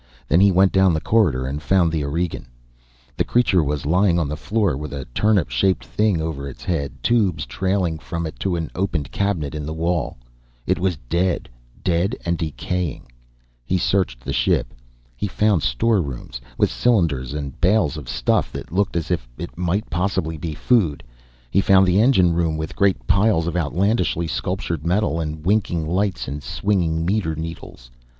Then he went down the corridor and found the Aurigean. The creature was lying on the floor, with a turnip shaped thing over its head, tubes trailing from it to an opened cabinet in the wall. It was dead dead and decaying. He searched the ship. He found storerooms, with cylinders and bales of stuff that looked as if it might possibly be food; he found the engine room, with great piles of outlandishly sculptured metal and winking lights and swinging meter needles.